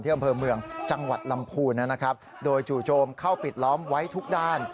อำเภอเมืองจังหวัดลำพูนนะครับโดยจู่โจมเข้าปิดล้อมไว้ทุกด้าน